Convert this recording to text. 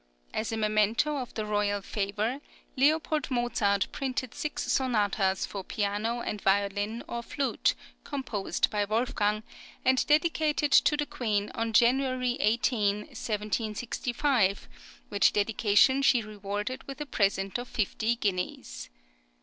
As a memento of the royal favour, L. Mozart printed six sonatas for piano and violin or flute, composed by Wolfgang, and dedicated to the Queen on January 18, 1765, which dedication she rewarded with a present of fifty guineas.